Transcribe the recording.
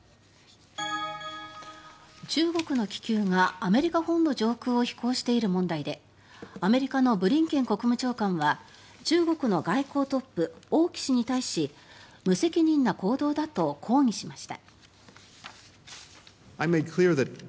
中国の気球がアメリカ本土上空を飛行している問題でアメリカのブリンケン国務長官は中国の外交トップ王毅氏に対し無責任な行動だと抗議しました。